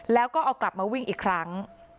แล้วก็เอากลับมาวิ่งอีกครั้ง